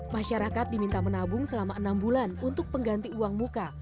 masyarakat diminta menabung selama enam bulan untuk pengganti uang muka